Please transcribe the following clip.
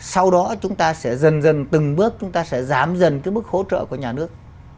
sau đó chúng ta sẽ dần dần từng bước chúng ta sẽ giảm dần cái mức hỗ trợ của nhà nước